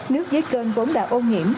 nước dưới kênh vốn đã ô nhiễm